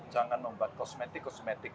jangan membuat kosmetik kosmetik